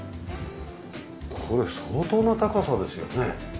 これ相当な高さですよね？